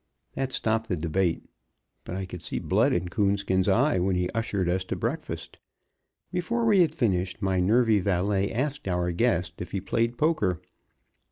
That stopped the debate, but I could see blood in Coonskin's eye when he ushered us to breakfast. Before we had finished, my nervy valet asked our guest if he played poker.